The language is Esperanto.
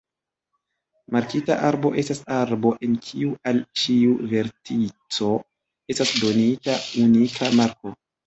Markita arbo estas arbo en kiu al ĉiu vertico estas donita unika marko.